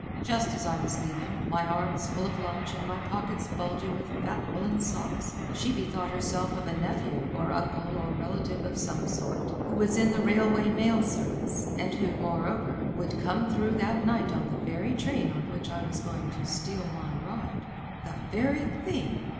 Just as I was leaving, my arms full of lunch and my pockets bulging with fat woollen socks, she bethought herself of a nephew, or uncle, or relative of some sort, who was in the railway mail service, and who, moreover, would come through that night on the very train on which I was going to steal my ride. The very thing!